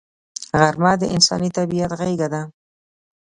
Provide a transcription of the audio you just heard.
غرمه د انساني طبیعت غېږه ده